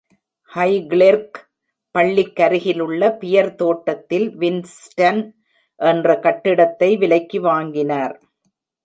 Highclere பள்ளிக்கருகிலுள்ள pear தோட்டத்தில் Winston என்ற கட்டிடத்தை விலைக்கு வாங்கினர்.